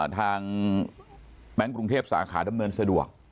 แบงค์กรุงเทพสาขาดำเนินสะดวก